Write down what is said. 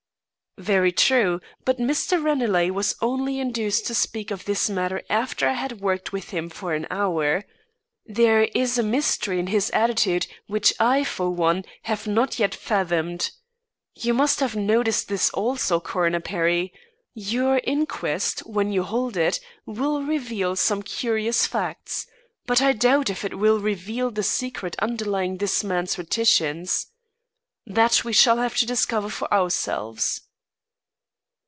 "Very true; but Mr. Ranelagh was only induced to speak of this matter after I had worked with him for an hour. There is a mystery in his attitude which I, for one, have not yet fathomed. You must have noticed this also, Coroner Perry? Your inquest, when you hold it, will reveal some curious facts; but I doubt if it will reveal the secret underlying this man's reticence. That we shall have to discover for ourselves."